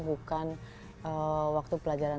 bukan waktu pelajaran